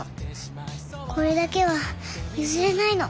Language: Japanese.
これだけは譲れないの。